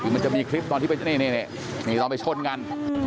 คือมันจะมีคลิปตอนที่นี่ตอนไปชนกัน